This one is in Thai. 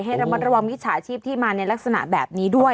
ให้ระมัดระวังมิจฉาชีพที่มาในลักษณะแบบนี้ด้วย